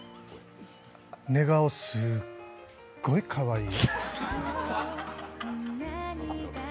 寝顔すっごいかわいい。